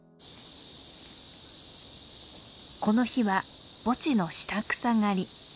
この日は墓地の下草刈り。